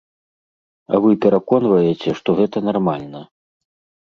А вы пераконваеце, што гэта нармальна.